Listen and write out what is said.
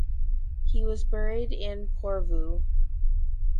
He was buried in Porvoo.